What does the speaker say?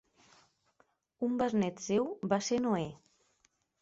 Un besnét seu va ser Noè.